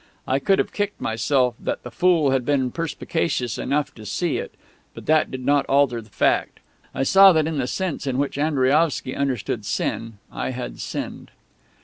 I could have kicked myself that the fool had been perspicacious enough to see it, but that did not alter the fact. I saw that in the sense in which Andriaovsky understood Sin, I had sinned....